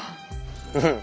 うん。